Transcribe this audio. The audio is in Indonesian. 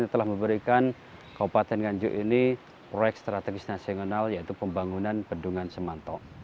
telah memberikan kabupaten nganjuk ini proyek strategis nasional yaitu pembangunan bendungan semantau